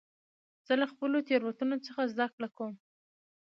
زه له خپلو تېروتنو څخه زدهکړه کوم.